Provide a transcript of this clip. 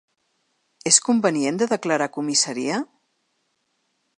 És convenient de declarar a comissaria?